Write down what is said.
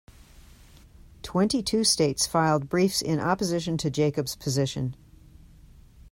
Twenty-two states filed briefs in opposition to Jacob's position.